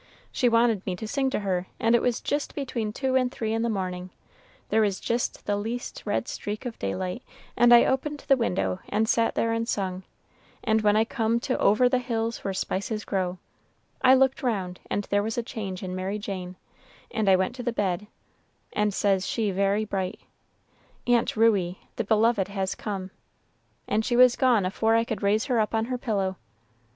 "She wanted me to sing to her, and it was jist between two and three in the mornin'; there was jist the least red streak of daylight, and I opened the window and sat there and sung, and when I come to 'over the hills where spices grow,' I looked round and there was a change in Mary Jane, and I went to the bed, and says she very bright, 'Aunt Ruey, the Beloved has come,' and she was gone afore I could raise her up on her pillow.